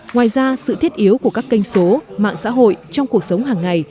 ngoài ra sự thiết yếu của các kênh số mạng xã hội trong cuộc sống hàng ngày